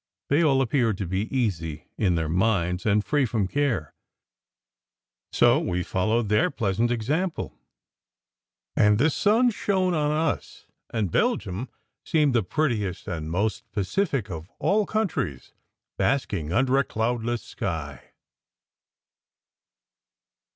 They all appeared to be easy in their minds and free from care, so we followed their pleasant example; and the sun shone on us, and Belgium seemed the prettiest and most pacific of all countries, basking under a cloudless sky.